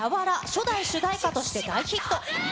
初代主題歌として大ヒット。